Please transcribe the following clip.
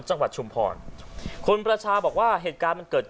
จังหวัดชุมพลคุณประชาบอกว่าเหตุการณ์มันเกิดขึ้น